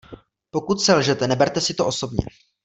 Pokud selžete, neberte si to osobně.